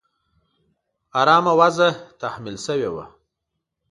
آرامي وضعې تحمیل شوې وه.